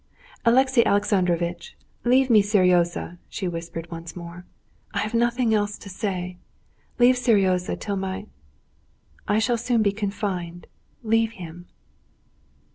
"Alexey Alexandrovitch, leave me Seryozha!" she whispered once more. "I have nothing else to say. Leave Seryozha till my ... I shall soon be confined; leave him!"